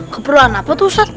keperluan apa tuh ustadz